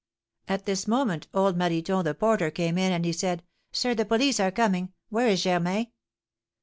At this moment old Marriton, the porter, came in, and he said, 'Sir, the police are coming; where is Germain?'